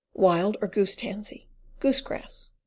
Wild or Goose Tansy. Goose grass.